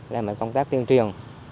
làm công tác tuyên truyền